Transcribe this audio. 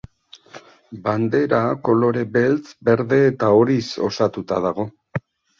Bandera kolore beltz, berde eta horiz osatuta dago.